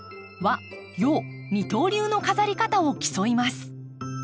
和・洋二刀流の飾り方を競います。